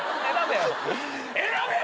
選べよ。